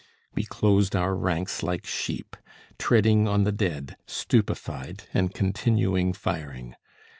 We closed our ranks like sheep, treading on the dead, stupefied, and continuing firing.